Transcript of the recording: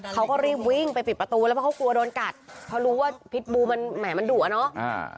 เขาก็รีบวิ่งไปปิดประตูแล้วเพราะเขากลัวโดนกัดเพราะรู้ว่าพิษบูมันแหมมันดุอ่ะเนาะ